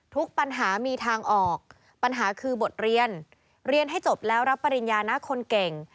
ทุกปัญหามีทางออกปัญหาคือบทเรียนเรียนให้จบแล้วรับปริญญานะคนเก่ง